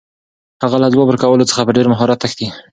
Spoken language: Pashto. هغه له ځواب ورکولو څخه په ډېر مهارت تښتي.